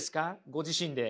ご自身で。